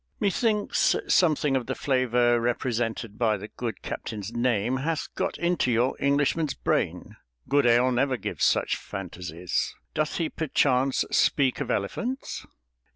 "Methinks something of the flavor represented by the good captain's name hath got into your Englishman's brain. Good ale never gives such fantasies. Doth he perchance speak of elephants?"